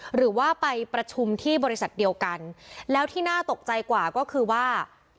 หรือว่าไปประชุมที่บริษัทเดียวกันแล้วที่น่าตกใจกว่าก็คือว่า